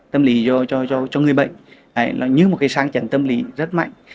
tâm lý cho người bệnh như một cái sang trần tâm lý rất mạnh